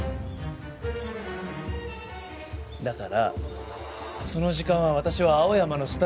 フッだからその時間は私は青山のスタジオに。